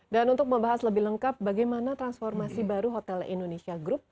dan untuk membahas lebih lengkap bagaimana transformasi baru hotel indonesia group